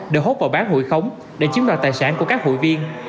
đều hút vào bán hụi khống để chiếm đoạt tài sản của các hụi viên